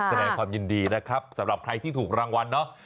แสดงความยินดีนะครับสำหรับใครที่ถูกรางวัลเนาะ